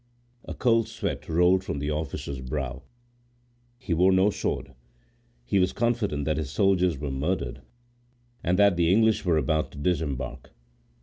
A cold sweat rolled from the officer's brow. He wore no sword. He was confident that his soldiers were murdered, and that the English were about to disembark.